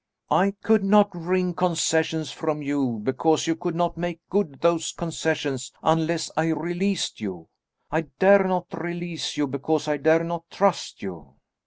"I could not wring concessions from you, because you could not make good those concessions unless I released you. I dare not release you, because I dare not trust you."